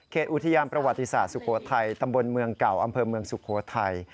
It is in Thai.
เขตอุทยาณประวัติศาสตร์สุโคทัยตำบลเมืองกล่าวอำเพลิงเมืองสุโคทัย